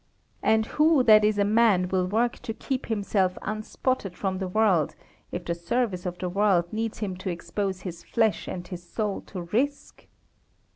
And who that is a man will work to keep himself unspotted from the world if the service of the world needs him to expose his flesh and his soul to risk?